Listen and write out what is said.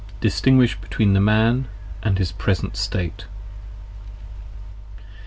} \Distingutsn between the [Man, &f his present State.